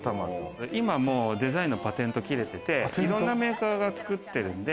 今はデザインのパテント切れてて、いろんなメーカーが作ってるんで。